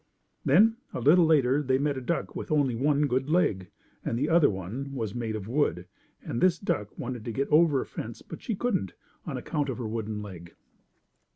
Then, a little later they met a duck with only one good leg, and the other one was made of wood, and this duck wanted to get over a fence but she couldn't, on account of her wooden leg.